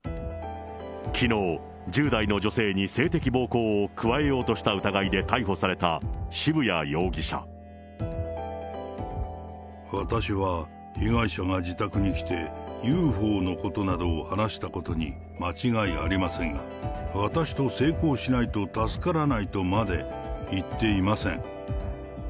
きのう、１０代の女性に性的暴行を加えようとした疑いで逮捕私は、被害者が自宅に来て、ＵＦＯのことなどを話したことに間違いありませんが、私と性交しないと助からないとまで言っていません。